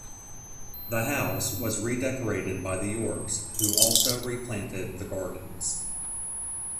The house was redecorated by the Yorks who also replanted the gardens.